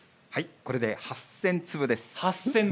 これで８０００粒です。